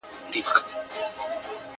مندوشاه به کاڼه واچول غوږونه!